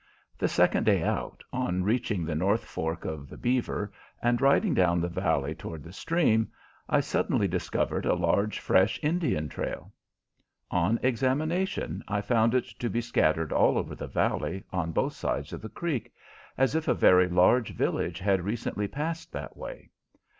The second day out, on reaching the North Fork of the Beaver and riding down the valley toward the stream, I suddenly discovered a large fresh Indian trail. On examination I found it to be scattered all over the valley on both sides of the creek, as if a very large village had recently passed that way.